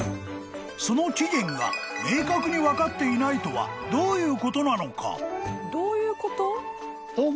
［その起源が明確に分かっていないとはどういうことなのか？］